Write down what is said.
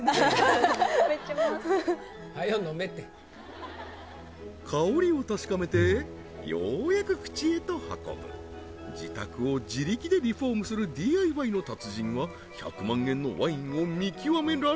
めっちゃ回す香りを確かめてようやく口へと運ぶ自宅を自力でリフォームするＤＩＹの達人は１００万円のワインを見極められるのか？